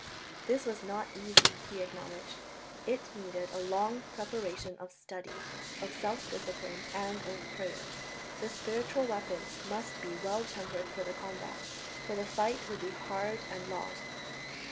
This was not easy, he acknowledged; it needed a long preparation of study, of self discipline and of prayer. The spiritual weapons must be well tempered for the combat, for the fight would be hard and long.